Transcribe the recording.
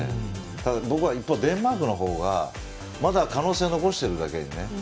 ただ、僕はデンマークの方がまだ可能性を残してるだけにね。